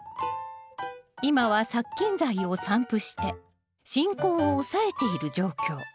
今は殺菌剤を散布して進行を抑えている状況。